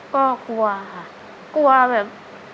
ก็กลัวค่ะกลัวแบบ